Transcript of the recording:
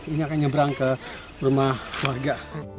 ini akan nyebrang ke rumah warga